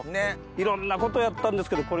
いろんなことやったんですけど。